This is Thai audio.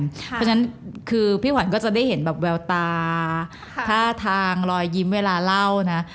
เพราะฉะนั้นคือพี่ขวัญก็จะได้เห็นแบบแววตาท่าทางรอยยิ้มเวลาเล่านะ